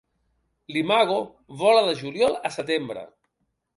L'imago vola de juliol a setembre.